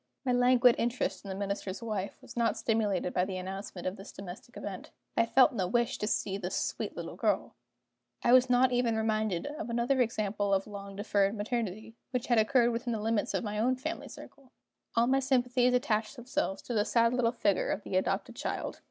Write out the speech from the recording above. My languid interest in the Minister's wife was not stimulated by the announcement of this domestic event. I felt no wish to see the "sweet little girl"; I was not even reminded of another example of long deferred maternity, which had occurred within the limits of my own family circle. All my sympathies attached themselves to the sad little figure of the adopted child.